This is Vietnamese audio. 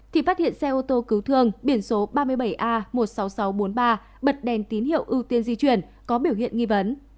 thì phát hiện xe ô tô cứu thương biển số ba mươi bảy a một mươi sáu nghìn sáu trăm bốn mươi ba bật đèn tín hiệu ưu tiên di chuyển có biểu hiện nghi vấn